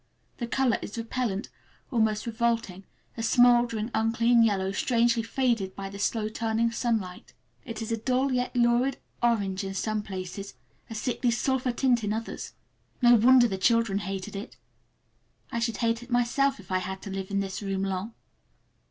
The color is repellant, almost revolting; a smouldering, unclean yellow, strangely faded by the slow turning sunlight. It is a dull yet lurid orange in some places, a sickly sulphur tint in others. No wonder the children hated it! I should hate it myself if I had to live in this room long.